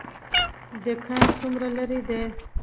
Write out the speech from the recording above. دکان څومره لرې دی؟